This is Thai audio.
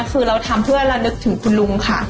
คือเราทำเพื่อเรานึกถึงคุณลุงค่ะ